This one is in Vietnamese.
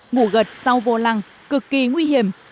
ngủ gật sau vô lăng cực kỳ nguy hiểm